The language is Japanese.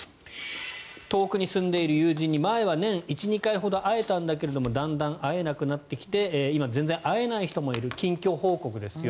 遠くに住んでいる友人に前は年１２回ほど会えたんだけれどもだんだん会えなくなってきて今、全然会えない人もいる近況報告ですよ。